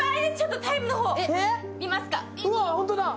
タイムの方見ますか？